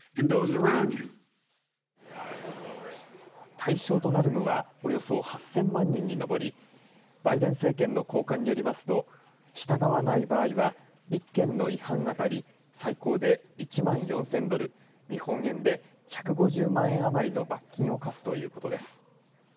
対象となるのは、およそ８０００万人に上り、バイデン政権の高官によりますと、従わない場合は、１件の違反当たり最高で１万４０００ドル、日本円で１５０万円余りの罰金を科すということです。